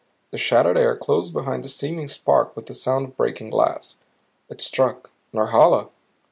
The shattered air closed behind the streaming spark with the sound of breaking glass. It struck Norhala.